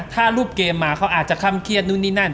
ถ้ารูปเกมมาเขาอาจจะค่ำเครียดนู่นนี่นั่น